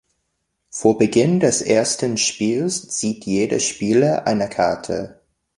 Vor Beginn des ersten Spiels zieht jeder Spieler eine Karte.